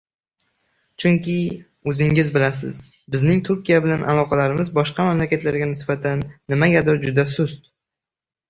Chunki, o‘zingiz bilasiz, bizning Turkiya bilan aloqalarimiz boshqa mamlakatlarga nisbatan nimagadir juda sust.